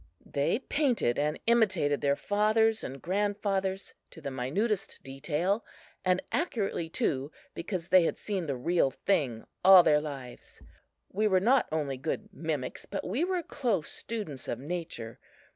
They painted and imitated their fathers and grandfathers to the minutest detail, and accurately too, because they had seen the real thing all their lives. We were not only good mimics but we were close students of nature.